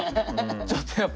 ちょっとやっぱ。